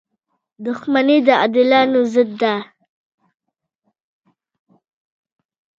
• دښمني د عادلانو ضد ده.